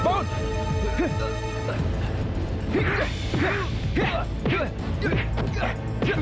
ambil tak mudah jauh escrib itu